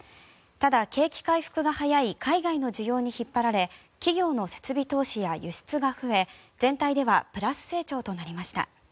ただ、景気回復が早い海外の需要に引っ張られ企業の設備投資や輸出が増え全体ではプラス成長となりました。